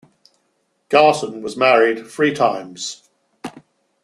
Garson was married three times.